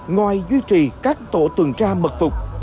ngoài duy trì các tổ tuần tra mật phục